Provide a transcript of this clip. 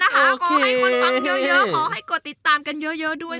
ขอให้คนฟังเยอะขอให้กดติดตามกันเยอะด้วย